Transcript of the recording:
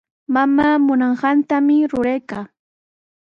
Mamaa munanqantami ruraykaa.